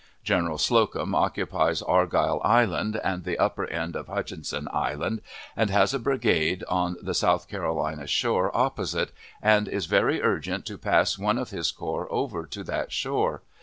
General Slocum occupies Argyle Island and the upper end of Hutchinson Inland, and has a brigade on the South Carolina shore opposite, and is very urgent to pass one of his corps over to that shore.